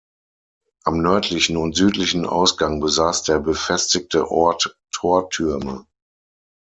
Am nördlichen und südlichen Ausgang besaß der befestigte Ort Tortürme.